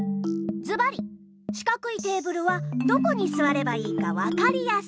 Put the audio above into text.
ずばりしかくいテーブルはどこにすわればいいかわかりやすい。